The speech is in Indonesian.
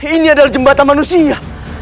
ini adalah jembatan manusia